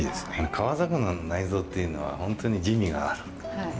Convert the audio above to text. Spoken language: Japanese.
川魚の内臓っていうのは本当に滋味がある。